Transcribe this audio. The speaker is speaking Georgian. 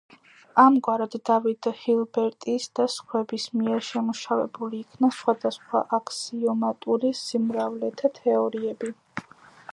ამგვარად დავიდ ჰილბერტის და სხვების მიერ შემუშავებული იქნა სხვადასხვა აქსიომატური სიმრავლეთა თეორიები.